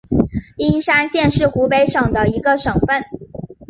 应山县是湖北省的一个县份。